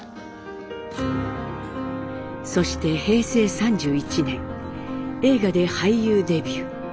そして平成３１年映画で俳優デビュー。